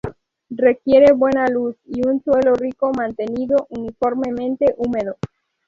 Requiere buena luz y un suelo rico mantenido uniformemente húmedo.